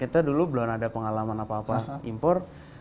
kita dulu belum ada pengalaman apa apa impor